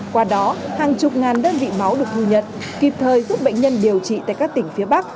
qua đó hàng chục ngàn đơn vị máu được ghi nhận kịp thời giúp bệnh nhân điều trị tại các tỉnh phía bắc